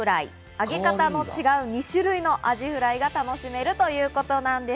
揚げ方の違う２種類のアジフライが楽しめるということなんです。